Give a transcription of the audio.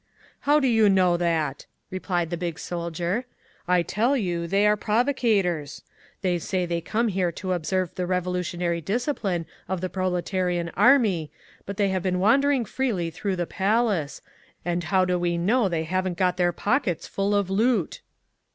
"How do you know that?" replied the big soldier. "I tell you they are provocators! They say they came here to observe the revolutionary discipline of the proletarian army, but they have been wandering freely through the Palace, and how do we know they haven't got their pockets full of loot?"